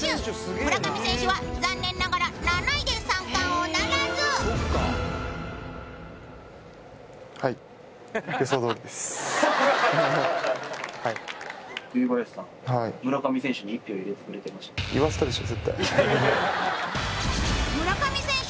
村上選手は残念ながら７位で三冠王ならずはい村上選手